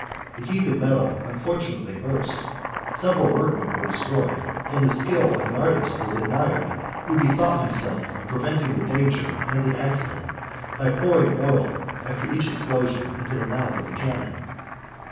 39 The heated metal unfortunately burst; several workmen were destroyed; and the skill of an artist 391 was admired who bethought himself of preventing the danger and the accident, by pouring oil, after each explosion, into the mouth of the cannon.